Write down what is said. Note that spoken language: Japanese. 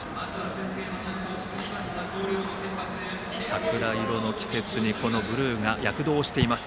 桜色の季節にブルーが躍動しています。